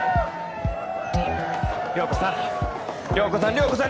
涼子さん。